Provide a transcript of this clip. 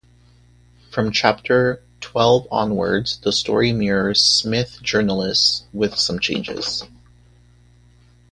From chapter twelve onwards the story mirrors "Psmith, Journalist", with some changes.